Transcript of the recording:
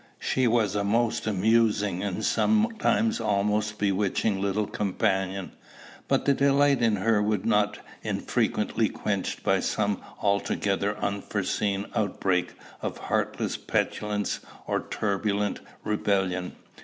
She was a most amusing and sometimes almost bewitching little companion; but the delight in her would be not unfrequently quenched by some altogether unforeseen outbreak of heartless petulance or turbulent rebellion.